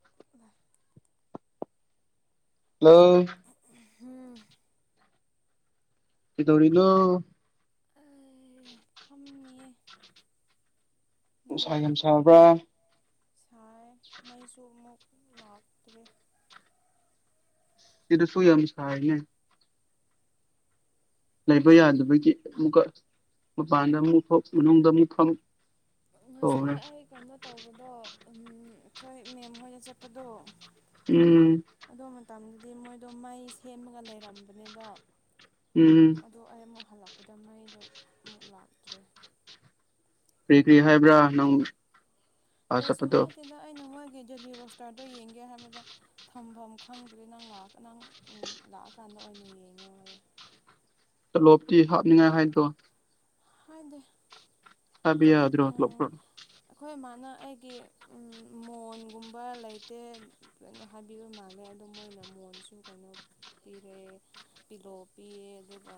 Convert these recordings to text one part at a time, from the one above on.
[inaudible] hello ꯎꯝ ꯀꯩꯗꯧꯔꯤꯅꯣ ꯐꯝꯃꯤꯑꯦ ꯅꯨꯡꯁꯥ ꯌꯥꯝ ꯁꯥꯕ꯭ꯔꯥ ꯁꯥꯏ ꯃꯩꯁꯨꯃꯨꯛ ꯂꯥꯛꯇ꯭ꯔꯦ ꯁꯤꯗ ꯁꯨ ꯌꯥꯝ ꯁꯥꯥꯏꯌꯦ ꯂꯩꯕ ꯌꯥꯗꯕꯒꯤ ꯑꯃꯨꯛꯀ ꯃꯄꯥꯟꯗ ꯑꯃꯨꯛ ꯐꯝ ꯃꯅꯨꯡꯗ ꯑꯃꯨꯛ ꯐꯝ ꯇꯧꯔꯦ ꯉꯁꯥꯏ ꯑꯩ ꯀꯩꯅꯣ ꯇꯧꯕꯗꯣ ꯑꯩꯈꯣꯏ ꯃꯦꯝ ꯍꯣꯏꯅ ꯆꯠꯄꯗꯣ ꯎꯝ ꯑꯗꯨ ꯃꯇꯝꯗꯨꯗꯤ ꯃꯣꯏꯗꯣ ꯃꯩ ꯁꯦꯝꯃꯒ ꯂꯩꯔꯝꯕꯅꯦꯕ ꯎꯝ ꯑꯗꯣ ꯑꯩ ꯑꯃꯨꯛ ꯍꯜꯂꯛꯄꯗ ꯃꯩꯗꯣ ꯑꯃꯨꯛ ꯂꯥꯛꯇ꯭ꯔꯦ ꯀꯔꯤ ꯀꯔꯤ ꯍꯥꯏꯕ꯭ꯔꯥ ꯅꯪ ꯑꯥ ꯀꯩꯁꯨ ꯆꯠꯄꯗꯣ ꯍꯥꯏꯗꯦꯗ ꯑꯩꯅ ꯃꯣꯏꯒꯤ ꯗꯦꯂꯤ ꯔꯣꯁꯇꯔꯗꯣ ꯌꯦꯡꯒꯦ ꯍꯥꯏꯕꯗ ꯊꯝꯐꯝ ꯈꯪꯗ꯭ꯔꯦ ꯅꯪꯥ ꯂꯥꯑ ꯅꯪ ꯂꯥꯛꯑꯀꯥꯟꯗ ꯑꯣꯏꯅ ꯌꯦꯡꯉꯣꯌꯦ ꯇꯣꯂꯣꯞꯇꯤ ꯍꯥꯞꯅꯤꯡꯉꯥꯏ ꯍꯥꯏꯗꯣ ꯍꯥꯏꯗꯦ ꯍꯥꯏꯕ ꯑꯗꯨꯒ ꯌꯥꯗ꯭ꯔꯣ ꯑ ꯇꯣꯂꯣꯞꯇꯣ ꯑꯩꯈꯣꯏ ꯃꯥꯅ ꯑꯩꯒꯤ ꯃꯣꯟꯒꯨꯝꯕ ꯂꯩꯇꯦ ꯀꯩꯅꯣ ꯍꯥꯏꯕꯤꯕ ꯃꯥꯜꯂꯦ ꯑꯗꯣ ꯃꯣꯏꯅ ꯃꯣꯟꯁꯨ ꯀꯩꯅꯣ ꯄꯤꯔꯛꯑꯦ ꯄꯤꯂꯣ ꯄꯤꯔꯦ ꯑꯗꯨꯒ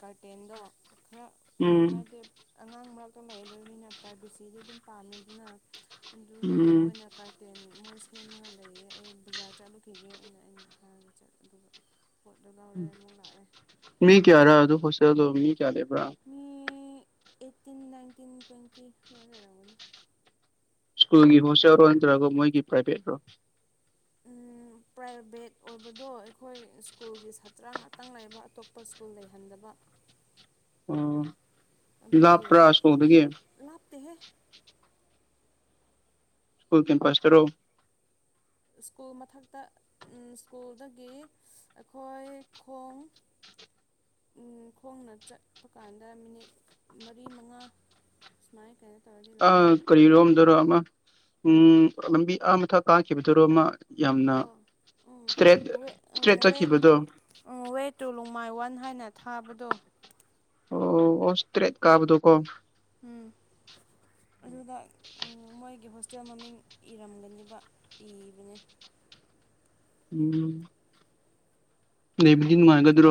ꯀꯥꯔꯇꯦꯟꯗꯣ ꯈꯔ ꯎꯝ ꯍꯥꯏꯗꯤ ꯑꯉꯥꯡ ꯃꯔꯛꯇ ꯂꯩꯗꯧꯅꯤꯅ ꯄ꯭ꯔꯥꯏꯚꯦꯁꯤꯗꯤ ꯑꯗꯨꯝ ꯄꯥꯝꯃꯤ ꯑꯗꯨꯅ ꯑꯗꯨꯒꯤ ꯎꯝ ꯃꯣꯏꯅ ꯀꯥꯔꯇꯦꯟ ꯃꯣꯏ ꯁꯦꯝꯃꯒ ꯂꯩꯌꯦ ꯑꯩ ꯕꯖꯥꯔ ꯆꯠꯂꯨꯈꯤꯒꯦ ꯑꯅ ꯑꯩꯅ ꯍꯥꯏꯔꯒ ꯆꯠꯂꯦ ꯑꯗꯨꯒ ꯄꯣꯠꯇꯨ ꯂꯧꯔꯦ ꯑꯃꯨꯛ ꯂꯥꯛꯑꯦ ꯃꯤ ꯀꯌꯥꯔꯥ ꯑꯗꯨ ꯍꯣꯁꯇꯦꯜꯗꯣ ꯃꯤ ꯀꯌꯥ ꯂꯩꯕ꯭ꯔꯥ ꯃꯤ ꯑꯩꯠꯇꯤꯟ ꯅꯥꯏꯟꯇꯤꯟ ꯇ꯭ꯋꯦꯟꯇꯤ ꯅ ꯂꯩꯔꯒꯅꯤ ꯁ꯭ꯀꯨꯜꯒꯤ ꯍꯣꯁꯇꯦꯜꯔꯣ ꯅꯠꯇ꯭ꯔꯒ ꯃꯣꯏꯒꯤ ꯄ꯭ꯔꯥꯏꯚꯦꯠ ꯔꯣ ꯎꯝ ꯄ꯭ꯔꯥꯏꯚꯦꯠ ꯑꯣꯏꯕꯗꯣ ꯑꯩꯈꯣꯏ ꯁ꯭ꯀꯨꯜꯒꯤ ꯁꯥꯇ꯭ꯔ ꯉꯥꯛꯇꯪ ꯂꯩꯕ ꯑꯇꯣꯞꯄ ꯁ꯭ꯀꯨꯜ ꯂꯩꯍꯟꯗꯕ ꯎꯝ ꯑꯗꯨꯒꯤ ꯂꯥꯞꯇꯦꯍꯦ ꯏꯁꯀꯨꯜ ꯀꯦꯝꯄꯥꯁꯇꯔꯣ ꯏꯁꯀꯨꯜ ꯃꯊꯛꯇ ꯏꯁꯀꯨꯜꯗꯒꯤ ꯑꯩꯈꯣꯏ ꯈꯣꯡ ꯈꯣꯡꯅ ꯆꯠꯄ ꯀꯥꯟꯗ ꯃꯤꯅꯤꯠ ꯃꯔꯤ ꯃꯉꯥ ꯁꯨꯃꯥꯏ ꯀꯩ ꯑ ꯀꯔꯤꯔꯣꯝꯗꯔꯣ ꯑꯃ ꯎꯝ ꯂꯝꯕꯤ ꯑ ꯃꯊꯛ ꯀꯥꯈꯤꯕꯗꯨꯔꯣ ꯑꯃ ꯌꯥꯝꯅ ꯑꯥ ꯎꯝ ꯏꯁꯇ꯭ꯔꯦꯠ ꯏꯁꯇ꯭ꯔꯦꯠ ꯆꯠꯈꯤꯕꯗꯣ ꯎꯝ ꯋꯦ ꯇꯨ ꯅꯣꯡꯃꯥꯏ ꯋꯥꯟ ꯍꯥꯏꯅ ꯊꯥꯕꯗꯣ ꯑꯣ ꯑꯣ ꯏꯁꯇ꯭ꯔꯦꯠ ꯀꯥꯕꯗꯨꯀꯣ ꯎꯝ ꯑꯗꯨꯗ ꯃꯣꯏꯒꯤ ꯍꯣꯁꯇꯦꯜ ꯃꯃꯤꯡ ꯏꯔꯝꯒꯅꯦꯕ ꯏꯕꯅꯦ ꯎꯝ ꯂꯩꯕꯗꯤ ꯅꯨꯡꯉꯥꯏꯒꯗ꯭ꯔꯣ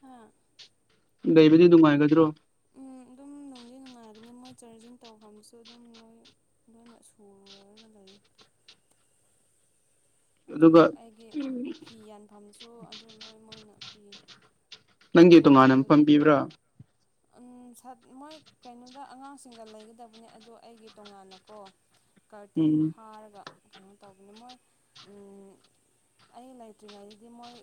ꯍꯥꯥ ꯂꯩꯕꯗꯤ ꯅꯨꯡꯉꯥꯏꯒꯗ꯭ꯔꯣ ꯎꯝ ꯑꯗꯨꯝ ꯅꯨꯡꯗꯤ ꯅꯨꯡꯉꯥꯏꯔꯒꯅꯤ ꯃꯣꯏ ꯆꯥꯔꯖꯤꯡ ꯇꯧꯐꯝꯁꯨ ꯑꯗꯨꯝ ꯂꯣꯏ ꯂꯣꯏꯅ ꯁꯨꯔꯒ ꯂꯩꯌꯦ ꯑꯗꯨꯒ ꯑꯩꯒꯤ ꯐꯤ ꯌꯥꯟꯐꯝꯁꯨ ꯑꯗꯨ ꯂꯣꯏ ꯃꯣꯏꯅ ꯄꯤ ꯅꯪꯒꯤ ꯇꯦꯕꯜ ꯇꯣꯉꯥꯟꯅ ꯄꯝꯕꯤꯕ꯭ꯔꯥ ꯃꯣꯏ ꯀꯩꯅꯣꯗ ꯑꯉꯥꯡꯁꯤꯡꯒ ꯂꯩꯒꯗꯕꯅꯦ ꯑꯗꯣ ꯑꯩꯒꯤ ꯇꯣꯉꯥꯟꯅꯀꯣ ꯀꯥꯔꯇꯦꯟ ꯎꯝ ꯈꯥꯔꯒ ꯀꯩꯅꯣ ꯇꯧꯕꯅꯤ ꯃꯣꯏ ꯑꯩ ꯂꯩꯇ꯭ꯔꯤꯉꯩꯗꯗꯤ ꯃꯣꯏ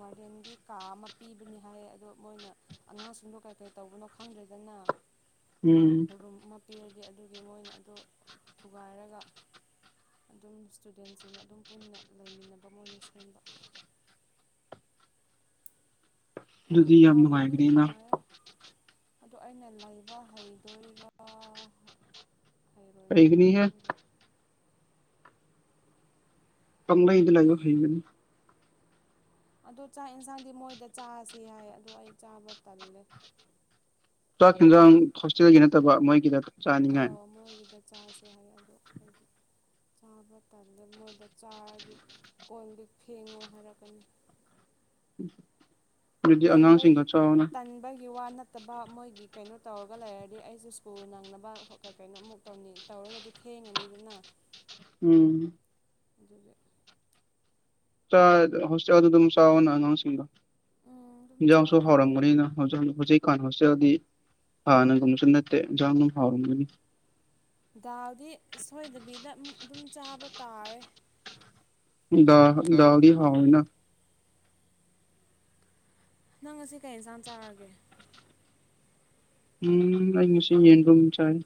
ꯋꯥꯔꯗꯦꯟꯒꯤ ꯀꯥ ꯑꯃ ꯄꯤꯕꯅꯤ ꯍꯥꯏꯌꯦ ꯑꯗꯣ ꯃꯣꯏꯅ ꯑꯉꯥꯡꯁꯤꯡꯗꯣ ꯀꯩ ꯇꯧꯕꯅꯣ ꯈꯪꯗ꯭ꯔꯦꯗꯅ ꯎꯝ ꯔꯨꯝ ꯄꯤꯔꯗꯤ ꯑꯗꯨꯒꯤ ꯃꯣꯏꯅ ꯑꯗꯨ ꯊꯨꯒꯥꯏꯔꯒ ꯑꯗꯨꯝ ꯏꯁꯇꯨꯗꯦꯟꯁꯤꯡꯒ ꯑꯗꯨꯝ ꯄꯨꯟꯅ ꯂꯩꯃꯤꯟꯅꯕ ꯑꯃ ꯃꯣꯏꯅ ꯁꯦꯝꯕ ꯑꯗꯨꯝ ꯑꯗꯨꯗꯤ ꯌꯥꯝ ꯐꯥꯕꯨꯗꯤ ꯅꯨꯡꯉꯥꯏꯒꯅꯤꯅ ꯐꯥꯔꯦ ꯑꯗꯣ ꯑꯩꯅ ꯂꯩꯕ ꯍꯩꯗꯣꯏꯔꯥ ꯍꯩꯔꯣꯏꯗꯣꯏꯔꯥ ꯍꯩꯒꯅꯤꯍꯦ ꯈꯪꯗ꯭ꯔꯦ ꯄꯪꯂꯩꯗ ꯂꯩꯕ ꯐꯤ ꯏꯟꯒꯅꯤ ꯑꯗ ꯆꯥꯛ ꯌꯦꯟꯁꯥꯡꯗꯤ ꯃꯣꯏꯗ ꯆꯥꯁꯤ ꯌꯥꯏ ꯑꯗꯣ ꯑꯩ ꯆꯥꯕ ꯇꯜꯂꯦ ꯆꯥꯛ ꯏꯟꯁꯥꯡ ꯍꯣꯁꯇꯦꯜꯒꯤ ꯅꯠꯇꯕ ꯃꯣꯏꯒꯤꯗ ꯆꯥꯅꯤꯡꯉꯥꯏ ꯑꯧ ꯃꯣꯏꯒꯤꯗ ꯆꯥꯔꯥꯁꯦ ꯍꯥꯏꯌꯦ ꯑꯗꯣ ꯍꯥꯏꯗꯤ ꯆꯥꯕ ꯇꯟꯂꯦ ꯃꯣꯏꯗ ꯆꯥꯔꯗꯤ ꯀꯣꯟ ꯂꯤꯛ ꯐꯦꯡꯉꯣ ꯍꯥꯏꯔꯛꯀꯅꯤ ꯑꯗꯨꯗꯤ ꯑꯉꯥꯡꯁꯤꯡꯒ ꯇꯟꯒꯤ ꯆꯥꯎꯅ ꯇꯟꯕꯒꯤ ꯋꯥꯅ [unintelligible] ꯐꯠꯇꯕ ꯃꯣꯏꯒꯤ ꯀꯩꯅꯣ ꯇꯧꯔꯒ ꯂꯩꯔꯗꯤ ꯑꯩꯁꯦ ꯁ꯭ꯀꯨꯜ ꯅꯪꯅꯕ ꯀꯩꯅꯣꯃꯨꯛ ꯇꯧꯅꯤꯡꯉꯤ ꯇꯧꯔꯒꯗꯤ ꯊꯦꯡꯉꯅꯤꯗꯅ ꯎꯝ ꯑꯗꯨꯒꯦ ꯍꯁ ꯌꯥ ꯑꯗꯨ ꯁꯥꯎꯅ ꯉꯪꯁꯤꯒ [unintelligible] ꯎꯝ ꯑꯗꯨꯝ ꯏꯟꯖꯥꯡꯁꯨ ꯆꯥꯒꯦ ꯍꯥꯎꯔꯝꯝꯕꯅꯤꯅ ꯍꯧꯖꯤꯛ ꯍꯧꯖꯤꯛ ꯀꯥꯟ ꯍꯣꯁꯇꯦꯜꯗꯤ ꯍꯥꯟꯅꯒꯨꯝꯅꯁꯨ ꯅꯠꯇꯦ ꯏꯟꯖꯥꯡ ꯑꯗꯨꯝ ꯍꯥꯎꯔꯝꯒꯅꯤ ꯗꯥꯎꯗꯤ ꯁꯣꯏꯗꯕꯤꯗ ꯑꯗꯨꯝ ꯆꯥꯕ ꯇꯥꯔꯦ ꯗꯗꯥ ꯗꯗꯤ ꯍꯥꯎꯅꯤꯅ ꯅꯪ ꯉꯥꯁꯤ ꯀꯩ ꯏꯟꯁꯥꯡ ꯆꯥꯔꯛꯒꯦ ꯎꯝ ꯑꯩ ꯉꯁꯤ ꯌꯦꯟ ꯔꯨꯝ ꯆꯥꯏ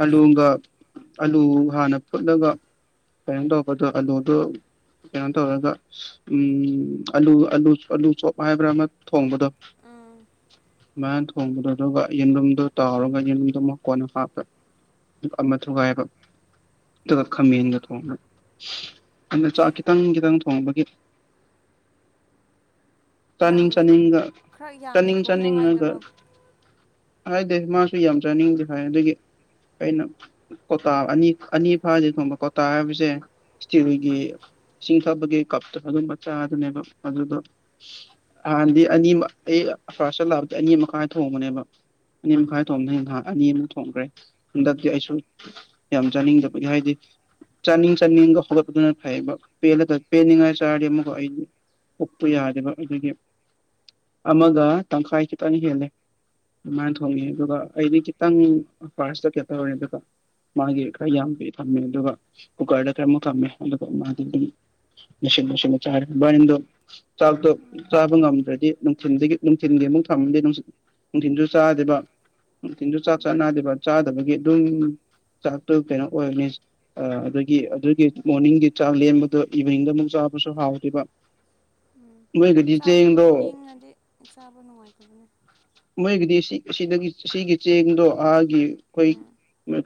ꯑꯥꯂꯨꯒ ꯑꯂꯨ ꯍꯥꯟꯅ ꯐꯨꯠꯂꯒ ꯀꯩꯅꯣ ꯇꯧꯕꯗꯣ ꯑꯂꯨꯗ ꯀꯩꯅꯣ ꯇꯧꯔꯒ ꯎꯝ ꯑꯂꯨ ꯑꯂꯨ ꯑꯂꯨ ꯆꯣꯞ ꯍꯥꯏꯕ꯭ꯔꯥ ꯑꯃ ꯊꯣꯡꯕꯗꯣ ꯎꯝ ꯃꯌꯥꯝ ꯊꯣꯡꯕꯗꯣ ꯑꯗꯨꯒ ꯌꯦꯟꯂꯨꯝꯗꯨ ꯇꯥꯎꯔꯒ ꯌꯦꯟꯂꯨꯝꯗꯨ ꯑꯃꯨꯛ ꯀꯣꯟꯅ ꯍꯥꯞꯄ ꯑꯃ ꯊꯨꯒꯥꯏꯕ ꯑꯗꯨꯒ ꯈꯥꯃꯦꯟꯒ ꯊꯣꯡꯕ ꯑꯗ ꯆꯥꯛ ꯈꯤꯇꯪ ꯈꯤꯇꯪ ꯊꯣꯡꯕꯒꯤ ꯌꯥꯝ ꯆꯥꯅꯤꯡ ꯆꯥꯅꯤꯡꯒ ꯈꯔ ꯌꯥꯝꯅ ꯆꯥꯅꯤꯡ ꯊꯣꯡꯉꯣ ꯆꯥꯅꯤꯡꯉꯒ ꯍꯥꯏꯗꯔꯣ ꯍꯥꯏꯗꯦ ꯃꯥꯁꯨ ꯌꯥꯝ ꯆꯥꯅꯤꯡꯗꯦ ꯍꯥꯏ ꯑꯗꯨꯒꯤ ꯑꯩꯅ ꯀꯣꯇꯥ ꯑꯅꯤ ꯑꯅꯤ ꯐꯥꯗꯤ ꯊꯣꯡꯕ ꯀꯣꯇꯥ ꯍꯥꯏꯕꯁꯦ ꯏꯁꯇꯤꯔꯒꯤ ꯆꯁꯤꯡꯊꯕꯒꯤ ꯀꯞ ꯑꯗꯨ ꯃꯆꯥꯥꯗꯅꯦꯕꯣ ꯑꯗꯨꯗꯣ ꯍꯟꯗꯤ ꯑꯅꯤꯃꯛ ꯑꯩ ꯐꯔꯁꯇꯥ ꯂꯛꯄꯗꯣ ꯑꯅꯤꯃꯥꯈꯥꯏ ꯊꯣꯡꯕꯅꯦꯕ ꯑꯅꯤ ꯃꯈꯥꯏ ꯊꯣꯡꯕꯗꯅ ꯅꯍꯥꯛ ꯑꯅꯤꯃꯨꯛ ꯊꯣꯡꯈ꯭ꯔꯦ ꯍꯟꯗꯛꯇꯤ ꯑꯩꯁꯨ ꯌꯥꯝ ꯆꯥꯅꯤꯡꯗꯕꯒꯤ ꯍꯥꯏꯗꯤ ꯆꯥꯅꯤꯡ ꯆꯥꯅꯤꯡꯒ ꯍꯧꯒꯠꯄꯗꯨꯅ ꯐꯩꯕ ꯄꯦꯜꯂ ꯄꯦꯟꯅꯤꯡꯉꯥꯏ ꯆꯥꯔꯗꯤ ꯑꯃꯛ ꯑꯩꯗꯤ ꯐꯨꯛꯄ ꯌꯥꯗꯦꯕ ꯑꯗꯒꯤ ꯑꯃꯒ ꯇꯪꯈꯥꯏ ꯈꯤꯇꯅ ꯍꯦꯜꯂꯦ ꯑꯗꯨꯃꯥꯏꯅ ꯊꯣꯡꯉꯦ ꯑꯗꯨꯒ ꯑꯩꯗꯤ ꯈꯤꯇꯪ ꯐꯥꯔꯁꯇ ꯀꯦ ꯇꯧꯔꯦ ꯑꯗꯨꯒ ꯃꯥꯒꯤ ꯈꯔ ꯌꯥꯝꯗ ꯊꯝꯃꯦ ꯑꯗꯨꯒ ꯀꯨꯀꯔꯗ ꯈꯔꯃꯨꯛ ꯊꯝꯃꯦ ꯑꯗꯨꯒ ꯃꯥꯗꯤ ꯑꯗꯨꯝ ꯅꯁꯤ ꯅꯁꯤ ꯆꯔꯅꯤꯣ [unintelligible] ꯆꯥꯛꯇꯣ ꯆꯥꯕ ꯉꯝꯗ꯭ꯔꯗꯤ ꯅꯨꯡꯊꯤꯟꯗꯒꯤ ꯅꯨꯡꯊꯤꯟꯜꯒꯤ ꯑꯃꯨꯛ ꯊꯝꯃꯗꯦ ꯅꯨꯡꯊꯤꯟꯁꯨ ꯆꯥꯗꯦꯕ ꯅꯨꯡꯊꯤꯟꯁꯨ ꯆꯥꯛ ꯆꯥ ꯎꯝ ꯅꯥꯗꯦꯕ ꯆꯥꯗꯕꯒꯤ ꯑꯗꯨꯝ ꯆꯥꯛꯇꯨ ꯀꯩꯅꯣ ꯑꯣꯏꯅꯤ ꯑ ꯑꯗꯨꯒꯤ ꯑꯗꯨꯒꯤ ꯃꯣꯔꯅꯤꯡꯒꯤ ꯆꯥꯛ ꯂꯦꯝꯕꯗꯣ ꯏꯚꯤꯅꯤꯡꯗ ꯑꯃꯨꯛ ꯆꯥꯕꯁꯨ ꯍꯥꯎꯗꯦꯕ ꯎꯝ ꯅꯣꯏꯒꯤꯗꯤ ꯆꯥꯛꯇꯣ ꯆꯦꯡꯗꯣ ꯏꯪꯉꯗꯤ ꯆꯥꯕ ꯅꯨꯡꯉꯥꯏꯇꯕꯅꯦ ꯃꯣꯏꯒꯤꯗꯤ ꯁꯤꯗꯒꯤ ꯁꯤꯒꯤ ꯆꯦꯡꯗꯣ ꯑꯥꯒꯤ ꯑꯩꯈꯣꯏ ꯎꯝ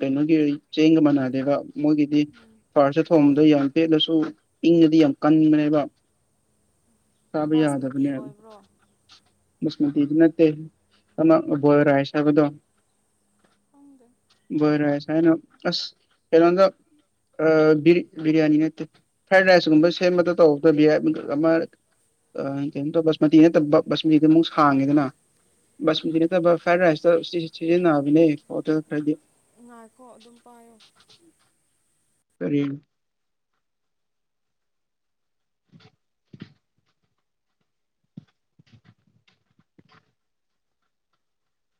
ꯀꯩꯅꯣꯒꯤ ꯆꯦꯡꯒ ꯃꯥꯟꯅꯗꯦꯕ ꯃꯣꯏꯒꯤ ꯍꯥꯏꯗꯤ ꯎꯝ ꯐꯥꯔꯁꯗ ꯊꯣꯡꯕꯗ ꯌꯥꯝ ꯄꯦꯂꯁꯨ ꯏꯪꯉꯗꯤ ꯌꯥꯝ ꯀꯟꯕꯅꯦꯕ ꯁꯥꯕꯤ ꯕꯥꯁꯃꯇꯤ ꯌꯥꯗꯕꯅꯦ ꯌꯥ ꯑꯣꯏꯕ꯭ꯔꯣ ꯁꯃꯇꯗꯤ ꯅꯠꯇꯦ ꯑꯃꯕꯔꯥꯏ ꯍꯥꯏꯕꯗꯣ ꯐꯪꯗꯦ ꯔꯥꯏꯍꯥꯏꯅ ꯑ ꯀꯩꯅꯣꯗꯣ ꯕꯤꯔꯌꯥꯅꯤ ꯅꯠꯇꯦ ꯐ꯭ꯔꯥꯏꯗ ꯔꯥꯏꯁꯀꯨꯝꯕ ꯁꯦꯝꯕꯗ ꯇꯧꯕꯗ ꯑꯃ ꯑ ꯀꯩꯅꯣꯝꯇ ꯕꯁꯃꯇꯤ ꯅꯠꯇꯕ ꯕꯁꯃꯇꯤꯗ ꯑꯃꯨꯛ ꯁꯥꯡꯉꯦꯗꯅ ꯕꯁꯃꯇꯤ ꯅꯠꯇꯕ ꯐ꯭ꯔꯥꯏꯗ ꯔꯥꯏꯁꯇ ꯁꯤ ꯁꯤꯖꯤꯟꯅꯕꯅꯦ ꯍꯣꯇꯦꯜ ꯈꯔꯗꯤ ꯉꯥꯏꯈꯣ ꯑꯗꯨꯝ ꯄꯥꯏꯌꯣ ꯀꯔꯤ ꯎꯝ [unintelligible]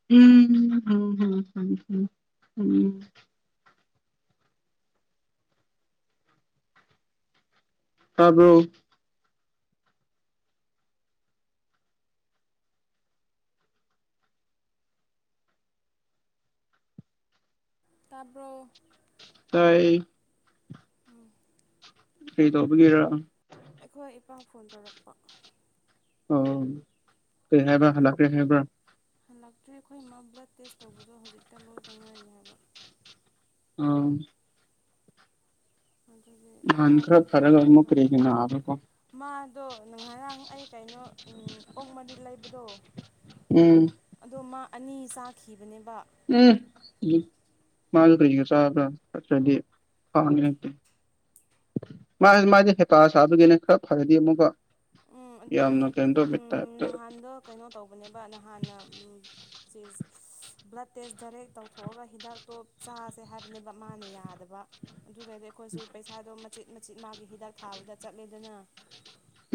ꯎꯝ ꯎꯝꯝꯝ ꯎꯝ ꯇꯥꯕꯔꯣ ꯇꯥꯕ꯭ꯔꯣ ꯇꯥꯌꯦ ꯑꯥꯎ ꯀꯥꯔꯤ ꯇꯧꯕꯒꯤꯔꯥ ꯑꯩꯈꯣꯏ ꯏꯄꯥ ꯐꯣꯟ ꯇꯧꯔꯛꯄ ꯑꯣ ꯀꯔꯤꯍꯥꯏꯕ ꯍꯜꯂꯛꯑꯦ ꯍꯥꯏꯕꯔ ꯍꯜꯂꯛꯇ꯭ꯔꯦ ꯑꯩꯈꯣꯏ ꯏꯃꯥ ꯕ꯭ꯂꯗ ꯇꯦꯁ ꯇꯧꯕꯗꯣ ꯍꯧꯖꯤꯛꯇ ꯂꯣꯏꯇ ꯉꯥꯏꯔꯤ ꯍꯥꯏꯕ ꯑ ꯑꯗꯨꯗꯒꯤ ꯅꯍꯥꯟ ꯑꯣ ꯈꯔ ꯐꯔꯒ ꯀꯩꯅꯣ ꯑꯃꯨꯛ ꯀꯔꯤꯒꯤ ꯇꯧꯕꯗꯣ ꯅꯥꯕꯀꯣ ꯃꯥꯗꯣ ꯅ ꯉꯔꯥꯡ ꯑꯩ ꯀꯩꯅꯣ ꯑꯣꯛ ꯃꯔꯤꯜ ꯂꯩꯕꯗꯣ ꯎꯝ ꯑꯗꯣ ꯃꯥ ꯑꯅꯤ ꯆꯥꯈꯤꯕꯅꯦꯕ ꯎꯝ ꯃꯥꯁꯨ ꯀꯩꯒ ꯆꯥꯕ꯭ꯔꯥ ꯆꯅꯗ꯭ꯔꯗꯤ ꯐꯥꯅꯤ ꯈꯇꯦ ꯃꯥ ꯃꯥꯏꯁꯦ ꯍꯦꯄꯥ ꯁꯥꯕꯒꯤꯅꯦ ꯈꯔ ꯐꯔꯗꯤ ꯑꯃꯨꯛꯀ ꯎꯝ ꯑꯗꯨꯅꯦ ꯌꯥꯝꯅ ꯀꯩꯅꯣ ꯇꯧꯕꯩ ꯇꯥꯏꯞꯇ ꯅꯍꯥꯟꯗꯣ ꯀꯩꯅꯣ ꯇꯧꯕꯅꯦꯕ ꯅꯍꯥꯟꯅ ꯁꯤ ꯕ꯭ꯂꯠ ꯇꯦꯁ ꯗꯥꯏꯔꯦꯛ ꯇꯧꯊꯣꯛꯑꯒ ꯍꯤꯗꯥꯛꯇꯣ ꯆꯥꯁꯦ ꯍꯥꯏꯕꯅꯦꯕ ꯃꯥꯅ ꯌꯥꯗꯕ ꯑꯗꯨꯗꯗꯤ ꯑꯩꯈꯣꯏꯁꯨ ꯄꯩꯁꯥꯗꯣ ꯃꯆꯤꯠ ꯃꯆꯤꯠ ꯃꯥꯒꯤ ꯍꯤꯗꯥꯛ ꯊꯥꯕꯗ ꯆꯠꯂꯦꯗꯅ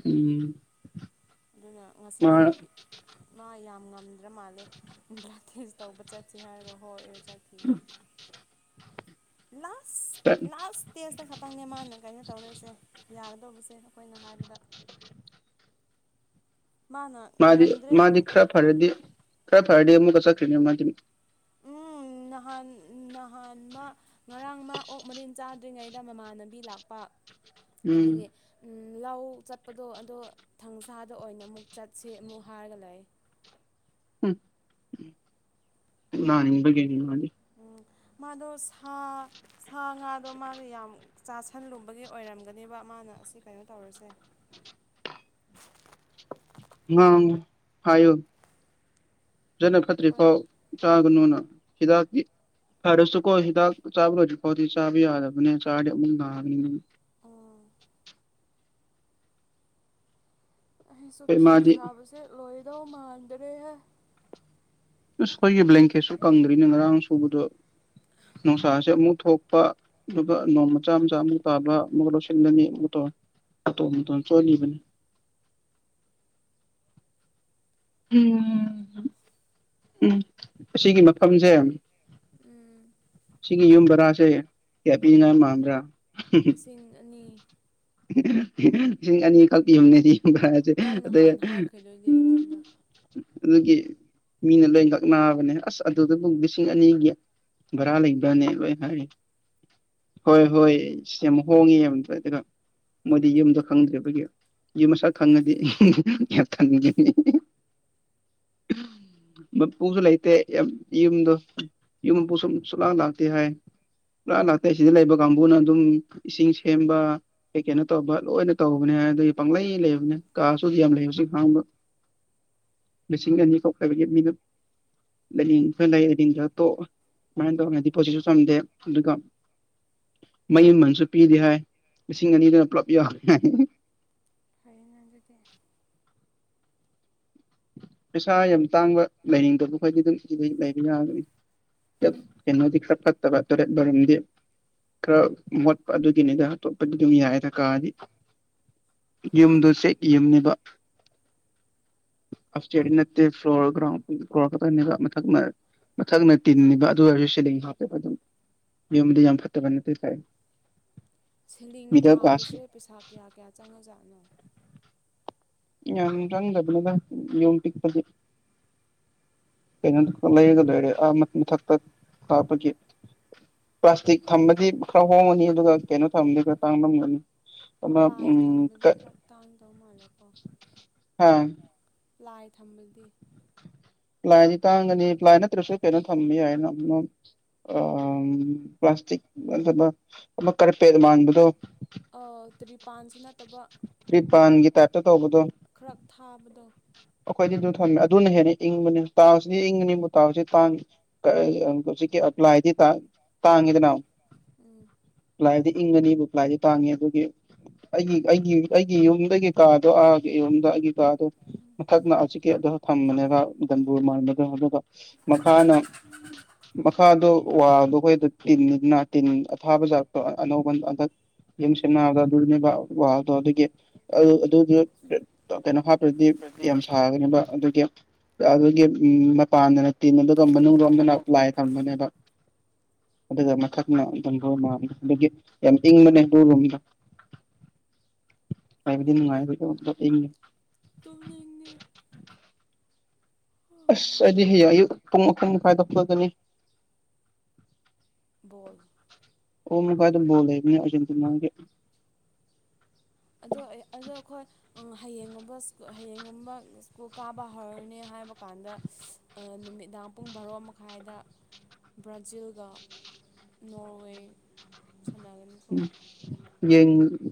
ꯎꯝ ꯑꯗꯨꯅ ꯃꯥ ꯉꯁꯤꯁꯦ ꯃꯥ ꯌꯥꯝ ꯉꯝꯗ꯭ꯔ ꯃꯥꯜꯂꯦ ꯕꯂꯠ ꯇꯦꯖ ꯇꯧꯕ ꯆꯠꯁꯤ ꯍꯥꯏꯔꯒ ꯍꯣꯏ ꯊ ꯂꯥꯁ ꯂꯥꯁ ꯇꯦꯁꯇ ꯈꯛꯇꯪꯅꯦ ꯃꯥꯅ ꯀꯩꯅꯣ ꯇꯧꯔꯤꯁꯦ ꯌꯥꯒꯗꯧꯕꯁꯦ ꯑꯩꯈꯣꯏꯅ ꯍꯥꯏꯕꯗ ꯃꯥꯅ ꯃꯥꯗꯤ ꯉꯝꯗ꯭ꯔꯦ ꯃꯥꯗꯤ ꯈꯔ ꯐꯔꯗꯤ ꯈꯔ ꯐꯔꯗꯤ ꯑꯃꯨꯛꯀ ꯆꯠꯈ꯭ꯔꯅꯤ ꯃꯥꯗꯤ ꯎꯝ ꯅꯍꯥꯟ ꯅꯍꯥꯟ ꯃꯥ ꯉꯔꯥꯡ ꯃꯥ ꯑꯣꯛ ꯃꯔꯤꯟ ꯆꯥꯗ꯭ꯔꯤꯉꯩꯗ ꯃꯃꯥꯟꯅꯕꯤ ꯂꯥꯛꯄ ꯎꯝ ꯑꯗꯨꯒꯤ ꯎ ꯂꯧ ꯆꯠꯄꯗꯣ ꯑꯗꯣ ꯊꯥꯡꯖꯗ ꯑꯣꯏꯅ ꯑꯃꯨꯛ ꯆꯠꯁꯤ ꯑꯃꯨꯛ ꯍꯥꯏꯔꯒ ꯂꯩ ꯎꯝ ꯅꯥꯅꯤꯡ ꯕꯒꯤ ꯃꯥꯗꯤ ꯎꯝ ꯃꯥꯗꯣ ꯁꯥ ꯁꯥ ꯉꯥꯗꯣ ꯃ ꯌꯥꯝ ꯆꯥꯁꯜꯂꯨꯕꯒꯤ ꯑꯣꯏꯔꯝꯒꯅꯦꯕ ꯃꯥꯅ ꯑꯁꯤ ꯀꯩꯅꯣ ꯇꯧꯔꯁꯦ ꯑ ꯍꯥꯏꯌꯨ ꯐꯖꯅ ꯐꯠꯇ꯭ꯔꯤ ꯑꯩꯈꯣꯏ ꯐꯥꯎ ꯆꯥꯒꯅꯨꯅ ꯍꯤꯇꯥꯛ ꯐꯔꯁꯨꯀꯣ ꯍꯤꯗꯥꯛ ꯆꯥꯕ ꯂꯣꯏꯗ꯭ꯔꯤ ꯐꯥꯎ ꯆꯥꯕꯗꯤ ꯌꯥꯗꯕꯅꯦ ꯆꯅꯤ ꯑꯣꯥ ꯑꯩꯁꯨ ꯑꯩꯈꯣꯏ ꯐꯤ ꯏꯃꯥꯗꯤ ꯁꯥꯕꯁꯦ ꯂꯣꯏꯗꯧ ꯃꯥꯟꯗꯔꯦꯍꯦ ꯑꯁ ꯑꯩꯈꯣꯏꯒꯤ ꯕ꯭ꯂꯦꯡꯀꯦꯠꯁꯨ ꯀꯪꯗ꯭ꯔꯤꯅꯦ ꯉꯔꯥꯡ ꯁꯨꯕꯗꯣ ꯅꯨꯡꯁꯥꯁꯦ ꯑꯃꯨꯛ ꯊꯣꯛꯄ ꯑꯗꯨꯒ ꯅꯣꯡ ꯃꯆꯥ ꯃꯆꯥ ꯑꯃꯨꯛ ꯇꯥꯕ ꯑꯃꯨꯛ ꯂꯧꯁꯤꯜꯂꯅꯤ ꯑꯃꯨ ꯇꯧ ꯃꯇꯣꯝ ꯃꯇꯣꯟ ꯆꯣꯠꯂꯤꯕꯅꯤ ꯎꯝ ꯎꯝ ꯑꯁꯤꯒꯤꯒꯤ ꯃꯐꯝꯁꯦ ꯎꯝ ꯁꯤꯒꯤ ꯌꯨꯝ ꯕꯔꯥꯁꯦ ꯀꯌꯥ ꯎꯝ ꯄꯤꯅ ꯃꯥꯟꯗ꯭ꯔꯥ ꯂꯤꯁꯤꯡ ꯑꯅꯤ ꯂꯤꯁꯤꯡ ꯑꯅꯤ ꯀꯛꯀꯤ ꯌꯨꯝꯅꯦ ꯁꯤ ꯌꯨꯝ ꯚꯔꯥꯁꯦ ꯅꯪ ꯑꯗꯨ ꯅꯍꯥꯟ ꯍꯥꯏꯈ꯭ꯔꯤꯗꯨꯗꯤ ꯑꯩꯉꯣꯟꯗ ꯑꯗꯨꯒꯤ ꯃꯤꯅ ꯂꯣꯏ ꯂꯛꯅꯥꯕꯅꯦ ꯑꯁ ꯑꯗꯨꯗꯕꯨ ꯂꯤꯁꯤꯡ ꯑꯅꯤꯒꯤ ꯚꯔꯥ ꯂꯩꯕꯔꯅꯦ ꯂꯣꯏ ꯍꯥꯏ ꯍꯣꯏ ꯍꯣꯏ ꯁꯤ ꯌꯥꯝ ꯍꯣꯡꯉꯤ [unintelligible] ꯑꯗꯨꯒ ꯃꯣꯏꯗꯤ ꯌꯨꯝꯗꯣ ꯈꯪꯗ꯭ꯔꯤꯕꯒꯤ ꯌꯨꯝ ꯃꯁꯛ ꯈꯪꯉꯗꯤ ꯈꯪꯅꯤꯡꯉꯗꯤ [unintelligible] ꯃꯄꯨꯁꯨ ꯂꯩꯇꯦ ꯌꯥꯝ ꯌꯨꯝꯗꯣ ꯌꯨꯝ ꯃꯄꯨꯁꯨ ꯁꯨꯂꯥꯛ ꯂꯥꯛꯇꯦ ꯍꯥꯏ ꯁꯨꯂꯥꯛ ꯂꯥꯛꯇꯦ ꯑꯁꯤꯗ ꯂꯩꯕ ꯀꯥꯡꯕꯨꯅ ꯑꯗꯨꯝ ꯏꯁꯤꯡ ꯁꯦꯝꯕ ꯀꯩꯀꯩꯅꯣ ꯇꯧꯕ ꯂꯣꯏꯅ ꯇꯧꯕꯅꯦ ꯍꯥꯏ ꯑꯗꯨꯒꯤ ꯄꯪꯂꯩ ꯂꯩꯕꯅꯦ ꯀꯥꯁꯨ ꯌꯥꯝ ꯂꯩ ꯍꯨꯖꯤꯛ ꯍꯥꯡꯕ [inaudible] ꯂꯤꯁꯤꯡ ꯑꯅꯤꯈꯛ ꯑꯣꯏꯕꯒꯤ ꯃꯤꯅ ꯂꯩꯅꯤꯡ ꯈꯔ ꯂꯩ ꯂꯩꯅꯤꯡꯗ꯭ꯔ ꯇꯣꯛ ꯁꯨꯃꯥꯏꯅ ꯇꯧꯕꯅꯦ ꯗꯤꯄꯣꯠꯁꯤꯁꯨ ꯆꯟꯗꯦ ꯑꯗꯨꯒ ꯃꯩ ꯃꯃꯟꯁꯨ ꯄꯤꯗꯦ ꯍꯥꯏ ꯂꯤꯁꯤꯡ ꯑꯅꯤꯗꯨꯅ ꯄꯨꯂꯞ ꯌꯥꯎꯔꯦ ꯍꯥꯏ ꯐꯩꯅ ꯑꯗꯨꯗꯤ ꯄꯩꯁꯥ ꯌꯥꯝ ꯇꯥꯡꯕ ꯂꯩꯅꯤꯡꯗꯕ ꯈꯣꯏꯗꯤ ꯑꯗꯨꯝ ꯂꯩꯕ ꯌꯥꯒꯅꯤ ꯀꯩꯅꯣꯗꯤ ꯈꯔ ꯐꯠꯇꯕ ꯇꯣꯔꯦꯠ ꯕꯥꯠꯔꯨꯝꯗꯤ ꯈꯔ ꯃꯣꯠꯄ ꯑꯗꯨꯒꯤꯅꯤꯗ ꯑꯇꯣꯞꯄꯗꯤ ꯑꯗꯨꯝ ꯌꯥꯏꯗ ꯀꯥꯗꯤ ꯌꯨꯝꯗꯨ ꯆꯦꯛꯀꯤ ꯌꯨꯝꯅꯤꯕ ꯑꯐ ꯁ꯭ꯇꯤꯌꯔꯗꯤ ꯅꯠꯇꯦ ꯐ꯭ꯂꯣꯔꯒ꯭ꯔꯥꯎꯟ ꯐ꯭ꯂꯣꯔ ꯈꯛꯇꯅꯦꯕ ꯃꯊꯛꯅ ꯃꯊꯛꯅ ꯇꯤꯟꯅꯤꯕ ꯑꯗꯨ ꯑꯣꯏꯔꯁꯨ ꯁꯤꯂꯤꯡ ꯍꯥꯞꯄꯦꯕ ꯑꯗꯨꯝ ꯌꯨꯝꯗꯤ ꯌꯥꯝ ꯐꯠꯇꯕ ꯅꯠꯇꯦ ꯀꯥꯏ ꯁꯤꯂꯤꯡ ꯃꯤꯗꯜ ꯀ꯭ꯂꯥꯁ ꯊꯥꯕꯁꯦ ꯄꯩꯁꯥ ꯀꯌꯥ ꯀꯌꯥ ꯆꯪꯉ ꯖꯥꯠꯅꯣ ꯌꯥꯝ ꯆꯪꯗꯕꯅꯦꯗ ꯌꯨꯝ ꯄꯤꯛꯄꯗꯤ ꯀꯩꯅꯣꯗꯨ ꯂꯩꯔꯒ ꯂꯣꯏꯔꯦ ꯑꯥ ꯃꯊꯛꯇ ꯍꯥꯞꯄꯒꯤ ꯄ꯭ꯂꯥꯁꯇꯤꯛ ꯊꯝꯕꯗꯤ ꯈꯔ ꯍꯣꯡꯉꯅꯤ ꯑꯗꯨꯒ ꯀꯩꯅꯣ ꯊꯝꯝꯕꯗꯤ ꯈꯔ ꯇꯥꯡꯂꯝꯝꯒꯅꯤ ꯑꯃ ꯄ꯭ꯂꯥꯏ ꯎꯝ ꯊꯝꯕꯗꯤ ꯀ ꯈꯔ ꯇꯥꯡꯗꯧ ꯃꯥꯜꯂꯦꯀꯣ ꯍꯥ ꯄ꯭ꯂꯥꯏ ꯊꯝꯕꯗꯤ ꯄ꯭ꯂꯥꯏꯗꯤ ꯇꯥꯡꯒꯅꯤ ꯄ꯭ꯂꯥꯏ ꯅꯠꯇ꯭ꯔꯁꯨ ꯀꯩꯅꯣ ꯊꯝꯕ ꯌꯥꯏꯅ ꯑꯃ ꯑ ꯄ꯭ꯂꯥꯁꯇꯤꯛ ꯅꯠꯇꯕ ꯑꯃ ꯀꯥꯔꯄꯦꯗ ꯃꯥꯟꯕꯗꯣ ꯑ ꯇꯔꯤꯄꯥꯟꯁꯨ ꯅꯠꯇꯕ ꯇ꯭ꯔꯤꯄꯥꯟꯒꯤ ꯇꯥꯏꯞꯇ ꯇꯧꯕꯗꯣ ꯈꯔ ꯊꯥꯕꯗꯣ ꯑꯩꯈꯣꯏꯗꯤ ꯑꯗꯨ ꯊꯝꯃꯦ ꯑꯗꯨꯅ ꯍꯦꯟꯅ ꯏꯪꯕꯅꯦ ꯇꯥꯏꯜꯁꯗꯤ ꯏꯪꯒꯅꯤꯕꯨ ꯇꯥꯏꯜꯁꯗꯤ ꯇꯥꯡ [unintelligible] ꯍꯧꯖꯤꯛꯀꯤ ꯑ ꯄ꯭ꯂꯥꯏꯗꯤ ꯇꯥꯡ ꯇꯥꯡꯉꯤꯗꯅ ꯎꯝ ꯄ꯭ꯂꯥꯏꯗꯤ ꯏꯪꯒꯅꯤꯕꯨ ꯄ꯭ꯂꯥꯏꯗꯤ ꯇꯥꯡꯉꯦ ꯑꯗꯨꯒꯤ ꯑꯩꯒꯤ ꯑꯩꯒꯤ ꯑꯩꯒꯤ ꯌꯨꯝꯗꯒꯤ ꯀꯥꯗꯣ ꯑꯥꯒꯤ ꯌꯨꯝꯗ ꯑꯩꯒꯤ ꯀꯥꯗꯣ ꯃꯊꯛꯅ ꯍꯧꯖꯤꯛꯀꯤ ꯑꯗꯨ ꯊꯝꯕꯅꯦꯕ ꯗꯝꯕꯨꯔ ꯃꯟꯥꯟꯕꯗꯣ ꯑꯗꯨꯒ ꯃꯈꯥꯅ ꯃꯈꯥꯗꯣ ꯋꯥꯜꯗꯣ ꯑꯩꯈꯣꯏꯗꯨ ꯇꯤꯟꯅꯤꯗꯅ ꯇꯤꯟ ꯑꯊꯥꯕꯖꯥꯠꯇꯣ ꯑꯅꯧꯕ ꯍꯟꯗꯛ ꯌꯨꯝ ꯁꯦꯝꯅꯕꯗꯣ ꯑꯗꯨꯅꯦꯕ ꯋꯥꯜꯗꯣ ꯑꯗꯨꯒꯤ ꯑꯗꯨ ꯑꯗꯨꯒꯤ ꯀꯩꯅꯣ ꯍꯥꯞꯄꯇ꯭ꯔꯗꯤ ꯑꯗꯨꯗꯤ ꯌꯥꯝ ꯁꯥꯒꯅꯤꯕ ꯑꯗꯨꯒꯤ ꯑꯗꯨꯒꯤ ꯎ ꯃꯄꯥꯟꯗꯅ ꯇꯤꯟ ꯑꯗꯨꯒ ꯃꯅꯨꯡ ꯂꯣꯝꯗꯅ ꯊꯝꯕꯅꯨ ꯄ꯭ꯂꯥꯏ ꯊꯝꯕꯅꯦꯕ ꯑꯗꯨꯒ ꯃꯊꯛꯅ ꯗꯝꯕꯨꯔ ꯃꯥ ꯑꯗꯨꯒꯤ ꯌꯥꯝ ꯏꯪꯕꯅꯦ ꯑꯗꯨ ꯔꯨꯝꯗꯣ [unintelligible] ꯀꯥꯏꯕꯗꯤ ꯅꯨꯡꯉꯥꯏꯕ [unintelligible] ꯇꯨꯝꯅꯤꯡꯉꯦ ꯑꯁ ꯑꯩꯗꯤ ꯍꯌꯦꯡ ꯑꯌꯨꯛ ꯄꯨꯡ ꯑꯍꯨꯝ ꯃꯈꯥꯏꯗ ꯍꯧꯒꯠꯀꯅꯤ ꯕꯣꯜ__ ꯑꯍꯨꯝ ꯃꯈꯥꯏꯗ ꯕꯣꯜ ꯂꯩꯕꯅꯦ ꯑꯔꯖꯦꯟꯇꯤꯅꯥꯒꯤ ꯑꯗꯣ ꯑꯩ ꯑꯗꯣ ꯑꯩꯈꯣꯏ ꯑꯪ ꯍꯌꯦꯡꯒꯨꯝꯕ ꯁ꯭ꯀꯨꯜ ꯍꯌꯦꯡꯒꯨꯝꯕ ꯁ꯭ꯀꯨꯜ ꯀꯥꯕ ꯍꯧꯔꯅꯦ ꯍꯥꯏꯕ ꯀꯥꯟꯗ ꯑꯥ ꯅꯨꯃꯤꯠ ꯅꯨꯃꯤꯗꯥꯡ ꯄꯨꯡ ꯕꯥꯔꯣ ꯃꯈꯥꯏꯗ ꯕ꯭ꯔꯥꯖꯤꯜꯒ ꯅꯣꯔꯋꯦ ꯁꯥꯟꯅꯒꯅꯤ ꯎꯝ ꯌꯦꯡꯉꯨ [unintelligible]